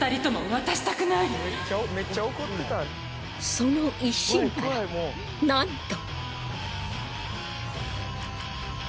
その一心からなんと。